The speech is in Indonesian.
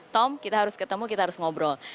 tom kita harus ketemu kita harus ngobrol